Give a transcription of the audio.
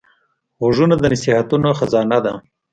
غوږونه د نصیحتونو خزانه ده